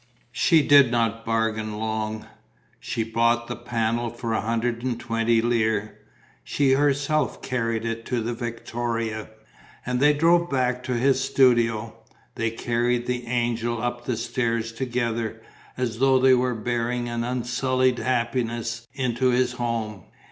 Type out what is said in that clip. She did not bargain long: she bought the panel for a hundred and twenty lire. She herself carried it to the victoria. And they drove back to his studio. They carried the angel up the stairs together, as though they were bearing an unsullied happiness into his home.